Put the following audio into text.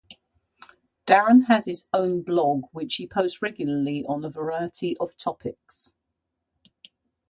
Darren has his own blog which he posts regularly on a variety of topics.